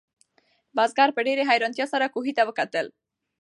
بزګر په ډېرې حیرانتیا سره کوهي ته وکتل.